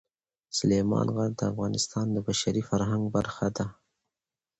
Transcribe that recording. سلیمان غر د افغانستان د بشري فرهنګ برخه ده.